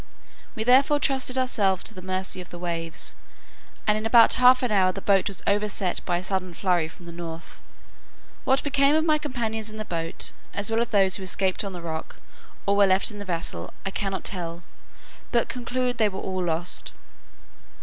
We therefore trusted ourselves to the mercy of the waves, and in about half an hour the boat was overset by a sudden flurry from the north. What became of my companions in the boat, as well as of those who escaped on the rock, or were left in the vessel, I cannot tell; but conclude they were all lost.